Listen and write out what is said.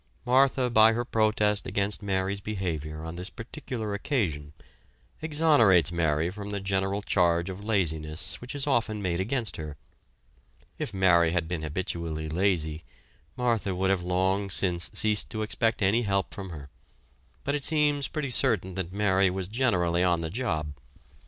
Martha by her protest against Mary's behavior on this particular occasion, exonerates Mary from the general charge of laziness which is often made against her. If Mary had been habitually lazy, Martha would have long since ceased to expect any help from her, but it seems pretty certain that Mary was generally on the job.